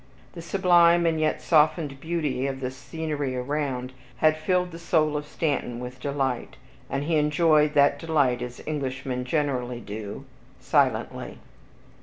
The sublime and yet softened beauty of the scenery around, had filled the soul of Stanton with delight, and he enjoyed that delight as Englishmen generally do, silently.